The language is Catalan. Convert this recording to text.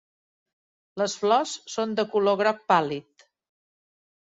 Les flors són de color groc pàl·lid.